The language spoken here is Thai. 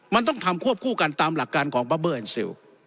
มันต้องทำควบคู่กันตามหลักการของบับเบอร์แอนซิล